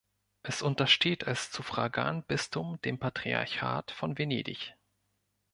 Es untersteht als Suffraganbistum dem Patriarchat von Venedig.